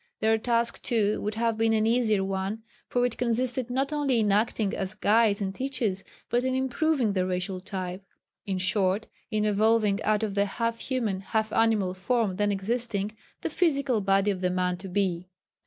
Their task, too, would have been an easier one, for it consisted not only in acting as guides and teachers, but in improving the racial type in short, in evolving out of the half human, half animal form then existing, the physical body of the man to be.